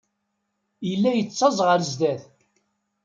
Yella yettaẓ ɣer sdat.